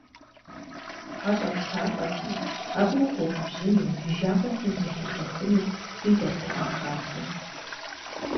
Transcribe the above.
ХьэщӀэр лъапӀэти, абы ухуэгубжьыну, и жагъуэ хъун зыхебгъэхыну къидэртэкъым хабзэм.